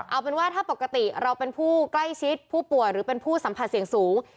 เอาเป็นว่าถ้าปกติเราเป็นผู้ใกล้ชิดผู้ป่วยหรือเป็นผู้สัมผัสเสี่ยงสูง